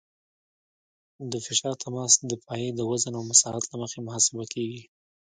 د فشار تماس د پایې د وزن او مساحت له مخې محاسبه کیږي